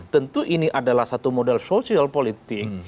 tentu ini adalah satu modal sosial politik